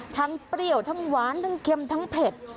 เปรี้ยวทั้งหวานทั้งเค็มทั้งเผ็ด